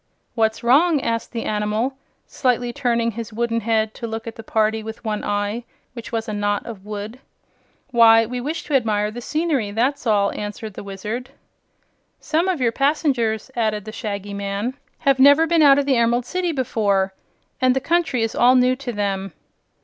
"What's wrong?" asked the animal, slightly turning his wooden head to look at the party with one eye, which was a knot of wood. "Why, we wish to admire the scenery, that's all," answered the Wizard. "Some of your passengers," added the Shaggy Man, "have never been out of the Emerald City before, and the country is all new to them."